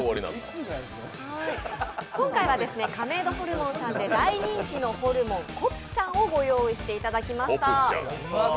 今回は亀戸ホルモンで大人気のホルモン、コプチャンをご用意していただきました。